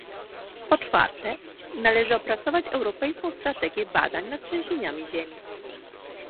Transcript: Po czwarte należy opracować europejską strategię badań nad trzęsieniami ziemi